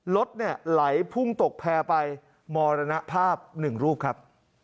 รถไหลพุ่งตกแพร่ไปมรณภาพ๑รูปครับ